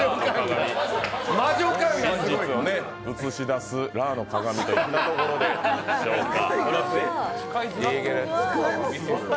真実を映し出すラーの鏡といったところでしょうか。